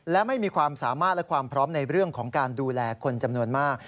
และไม่มีความสามารถและความพร้อมในเรื่องของการดูแลคนจำนวนมาก